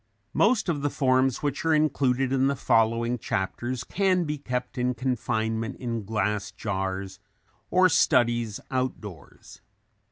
Most of the forms which are included in the following chapters can be kept in confinement in glass jars or studies out doors.